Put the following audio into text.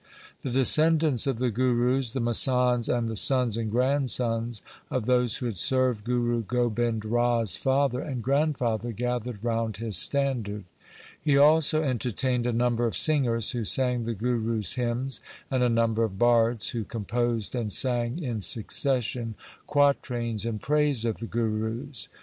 The descendants of the Gurus, the masands, and the sons and grandsons of those who had served Guru Gobind Rai's father and grandfather gathered round his standard. He also entertained a number of singers, who sang the Gurus' hymns, and a number of bards who composed and sang in succession qua trains in praise of the Gurus.